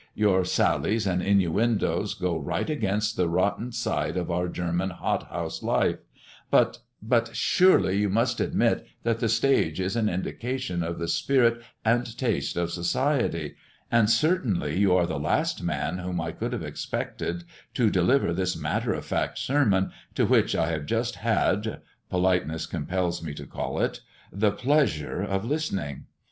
Your sallies and innuendoes go right against the rotten side of our German hot house life; but but surely you must admit, that the stage is an indication of the spirit and taste of society; and certainly you are the last man whom I could have expected to deliver this matter of fact sermon, to which I have just had politeness compels me to call it the pleasure of listening.